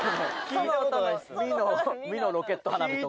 「ミ」のロケット花火とか。